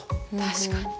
確かに。